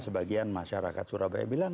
sebagian masyarakat surabaya bilang